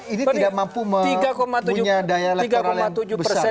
ini tidak mampu mempunyai daya elektronik yang besar ya